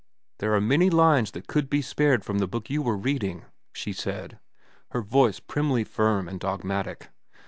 "There are many lines that could be spared from the book you were reading," she said, her voice primly firm and dogmatic.